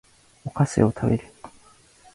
お菓子を食べる